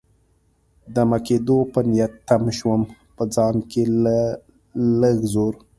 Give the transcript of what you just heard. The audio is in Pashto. دمه کېدو په نیت تم شوم، په ځان کې له لږ زور.